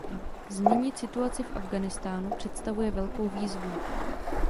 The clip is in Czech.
Změnit situaci v Afghánistánu představuje velkou výzvu.